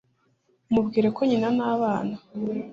Mubwire ko nkina nabana